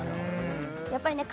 やっぱりね